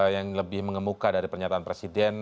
yang lebih mengemuka dari pernyataan presiden